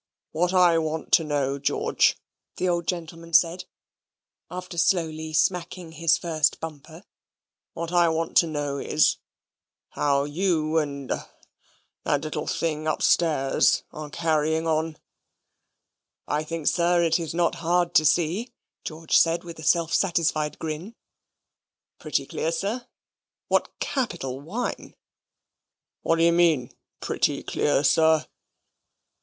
"What I want to know, George," the old gentleman said, after slowly smacking his first bumper "what I want to know is, how you and ah that little thing upstairs, are carrying on?" "I think, sir, it is not hard to see," George said, with a self satisfied grin. "Pretty clear, sir. What capital wine!" "What d'you mean, pretty clear, sir?"